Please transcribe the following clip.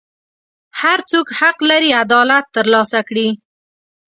هر څوک حق لري عدالت ترلاسه کړي.